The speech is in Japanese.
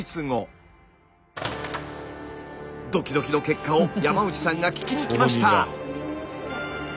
ドキドキの結果を山内さんが聞きに来ました。